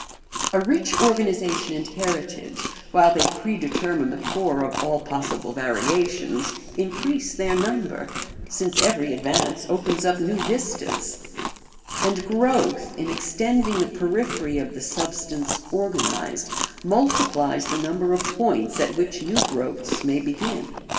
A rich organisation and heritage, while they predetermine the core of all possible variations, increase their number, since every advance opens up new vistas; and growth, in extending the periphery of the substance organised, multiplies the number of points at which new growths may begin.